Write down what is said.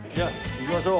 行きましょう。